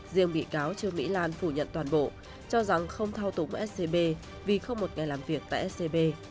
riêng bị cáo trương mỹ lan phủ nhận toàn bộ cho rằng không thao túng scb vì không một ngày làm việc tại scb